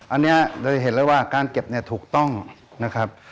อันนี้เลยเห็นได้ว่าการเก็บถูกต้องนะครับ